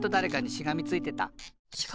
しがみついてた？